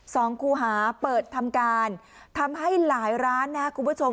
คูหาเปิดทำการทำให้หลายร้านนะครับคุณผู้ชม